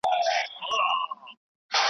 په مرګ به یې زما په څېر خواشینی سوی وي .